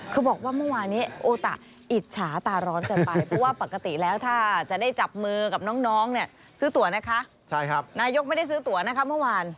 คือบอกว่าเมื่อวานี้โอตะอิจฉาตาร้อนเกินไปเพราะว่าปกติแล้วถ้าจะได้จับมือกับน้องเนี่ยซื้อตัวนะคะนายกไม่ได้ซื้อตัวนะคะเมื่อวาน